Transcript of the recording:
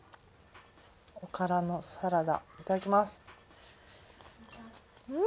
おからのサラダいただきます。